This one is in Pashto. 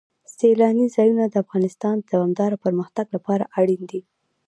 سیلانی ځایونه د افغانستان د دوامداره پرمختګ لپاره اړین دي.